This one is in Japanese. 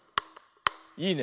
いいね。